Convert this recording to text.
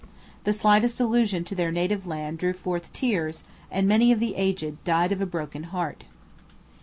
The slightest allusion to their native land drew forth tears and many of the aged died of a broken heart.'